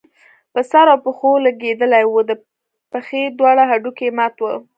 په سر او پښو لګېدلی وو، د پښې دواړه هډوکي يې مات وو